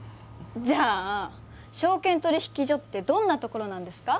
じゃあ証券取引所ってどんなところなんですか？